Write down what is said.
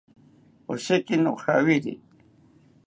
Osheki majawiri